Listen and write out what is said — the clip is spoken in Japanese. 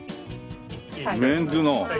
メンズの。